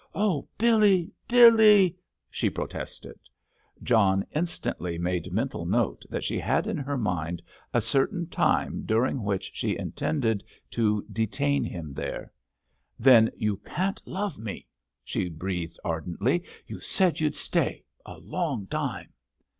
"Oh, Billy, Billy!" she protested. John instantly made mental note that she had in her mind a certain time during which she intended to detain him there. "Then you can't love me," she breathed ardently. "You said you'd stay—a long time."